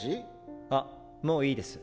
あもういいです。